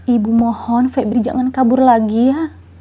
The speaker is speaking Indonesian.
ibu mohon febri jangan kabur lagi ya